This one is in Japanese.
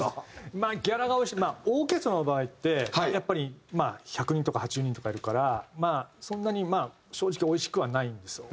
まあギャラがおいしいオーケストラの場合ってやっぱり１００人とか８０人とかいるからそんなにまあ正直おいしくはないんですよ。